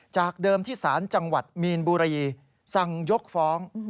จากเดิมที่ศาลจังหวัดมีนบุรีสั่งยกฟ้อง